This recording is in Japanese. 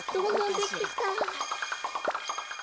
できた！